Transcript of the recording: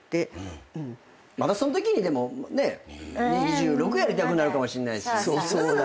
またそんときにでもね２６やりたくなるかもしれないし。